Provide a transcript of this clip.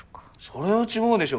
それは違うでしょ